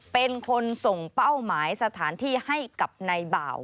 เป็นคนส่งเป้าหมายสถานที่ให้กับนายบ่าว